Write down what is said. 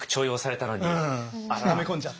ため込んじゃった。